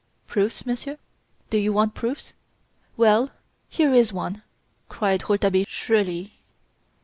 "Proofs, Monsieur? Do you want proofs? Well, here is one," cried Rouletabille shrilly.